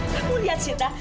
kamu lihat sita